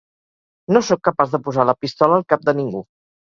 No sóc capaç de posar la pistola al cap de ningú.